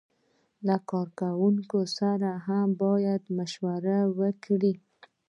له کارکوونکو سره هم باید مشوره وکړي.